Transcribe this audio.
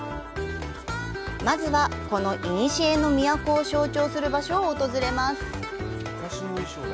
まずは、この、いにしえの都を象徴する場所を訪れます。